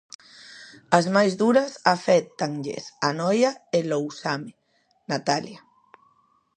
As máis duras aféctanlles a Noia e Lousame, Natalia.